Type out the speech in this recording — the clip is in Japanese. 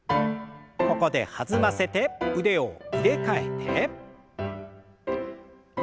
ここで弾ませて腕を入れ替えて。